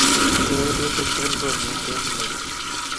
kewelutik tukul komukten ietu